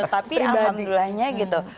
tapi alhamdulillahnya gitu